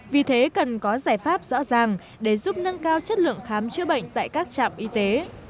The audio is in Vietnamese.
vì thế cần có giải pháp rõ ràng để giúp nâng cao chất lượng khám chữa bệnh tại các trạm y tế